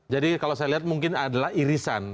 jadi kalau saya lihat mungkin adalah irisan